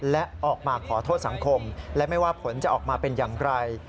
และออกมาขอโทษสังคมและไม่ว่าผลจะออกมาเป็นอย่างไร